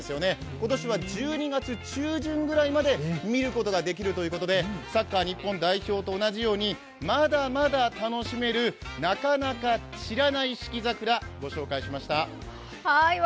今年は１２月中旬ぐらいまで見ることができるということでサッカー日本代表と同じようにまだまだ楽しめる、なかなか散らない四季桜ご紹介しました。